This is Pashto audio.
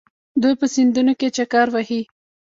دوی په سیندونو کې چکر وهي.